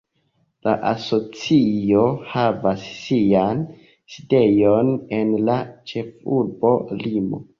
La asocio havas sian sidejon en la ĉefurbo Limo.